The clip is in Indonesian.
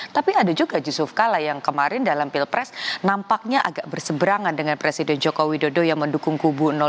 tapi ada juga yusuf kala yang kemarin dalam pilpres nampaknya agak berseberangan dengan presiden joko widodo yang mendukung kubu dua